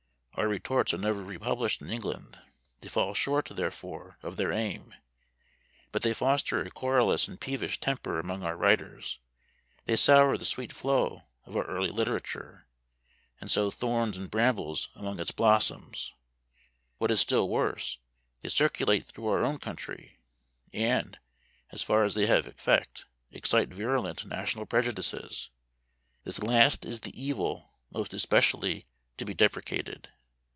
Our retorts are never republished in England; they fall short, therefore, of their aim; but they foster a querulous and peevish temper among our writers; they sour the sweet flow of our early literature, and sow thorns and brambles among its blossoms. What is still worse, they circulate through our own country, and, as far as they have effect, excite virulent national prejudices. This last is the evil most especially to be deprecated.